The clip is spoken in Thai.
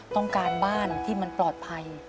ต้องการบ้านที่มันปลอดภัย